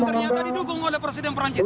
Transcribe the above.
ternyata didukung oleh presiden perancis